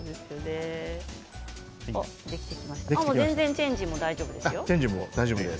チェンジも全然大丈夫ですよ。